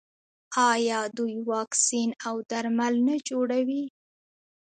آیا دوی واکسین او درمل نه جوړوي؟